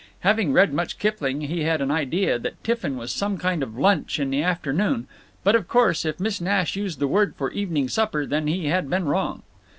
Having read much Kipling, he had an idea that tiffin was some kind of lunch in the afternoon, but of course if Miss Nash used the word for evening supper, then he had been wrong.